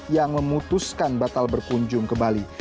yang memutuskan batal berkunjung ke bali